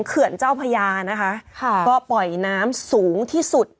เขื่อนเจ้าพญานะคะค่ะก็ปล่อยน้ำสูงที่สุด